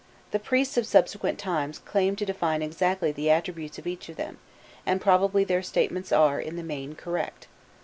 The priests of subsequent times claimed to define exactly the attributes of each of them, and probably their statements are, in the main, correct.